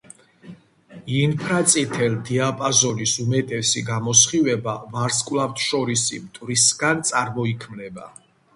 ინფრაწითელ დიაპაზონის უმეტესი გამოსხივება ვარსკვლავთშორისი მტვრისგან წარმოიქმნება.